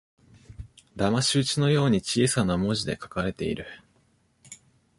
だまし討ちのように小さな文字で書かれている